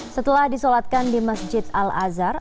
setelah disolatkan di masjid al azhar